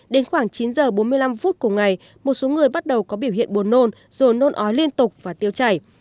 bốn mươi năm phút của ngày một số người bắt đầu có biểu hiện buồn nôn rồi nôn ói liên tục và tiêu chảy